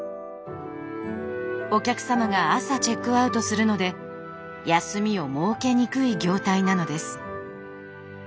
お客様が朝チェックアウトするので休みを設けにくい業態なのです。